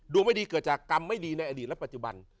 ไม่ดีเกิดจากกรรมไม่ดีในอดีตและปัจจุบัน